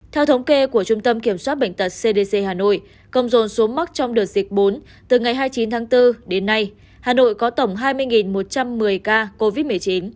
theo thống kê của trung tâm kiểm soát bệnh tật cdc hà nội công rồn xuống mắc trong đợt dịch bốn từ ngày hai mươi chín tháng bốn đến nay hà nội có tổng hai mươi một trăm một mươi ca covid một mươi chín